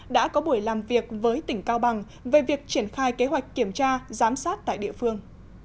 đã có buổi làm việc với tỉnh cao bằng về việc triển khai kế hoạch kiểm tra giám sát tại địa phương